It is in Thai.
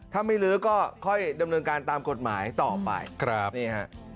ถ้าไม่ลื้อก็ค่อยดำเนินการตามกฎหมายต่อไป